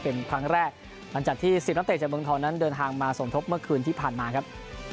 เป็นครั้งแรกหลังจากที่๑๐นักเตะจากเมืองทองนั้นเดินทางมาสมทบเมื่อคืนที่ผ่านมาครับ